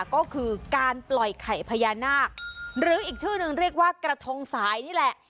ก็คือการปล่อยไข่พญานาคหรืออีกชื่อนึงเรียกว่ากระทงสายนี่แหละ